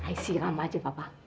i siram aja bapak